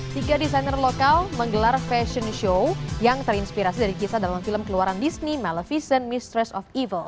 tiga desainer lokal menggelar fashion show yang terinspirasi dari kisah dalam film keluaran disney malevision mistress of evel